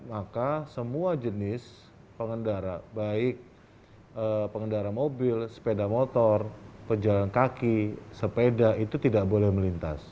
maka semua jenis pengendara baik pengendara mobil sepeda motor pejalan kaki sepeda itu tidak boleh melintas